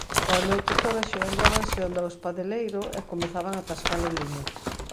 Ao anoitecer axeonllábanse onda o espadeleiro e comezaban a tascar o liño.